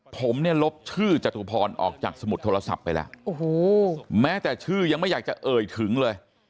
ผมเนี่ยลบชื่อจตุพรออกจากสมุดโทรศัพท์ไปแล้วโอ้โหแม้แต่ชื่อยังไม่อยากจะเอ่ยถึงเลย